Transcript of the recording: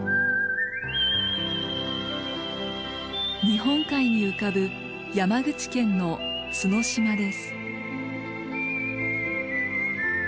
日本海に浮かぶ山口県の角島です。